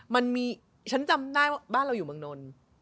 มันมีฉันจำได้ว่าบ้านเราอยู่เมืองนนท์